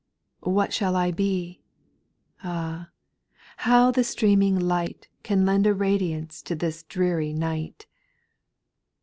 What shall I be ? Ah, how the streaming light Can lend a radiance to this dreary night